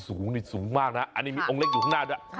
ูงมากนะอันนี้มีองค์เล็กอยู่หน้าด้วย